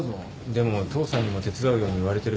でも父さんにも手伝うように言われてるし。